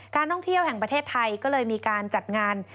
ท่องเที่ยวแห่งประเทศไทยก็เลยมีการจัดงาน